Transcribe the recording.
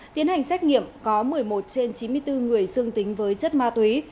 tiến hành xét nghiệm có một mươi một trên chín mươi bốn người dương tính với chất ma túy